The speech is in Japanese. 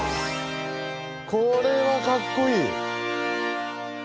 これはかっこいい。